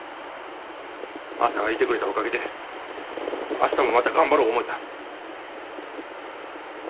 あんたがいてくれたおかげで明日もまた頑張ろ思えた。